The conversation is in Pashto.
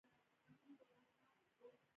د اوبو الوتکو لپاره ډیر خطرونه شتون لري